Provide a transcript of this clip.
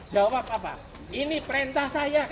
jawab ini perintah saya kpk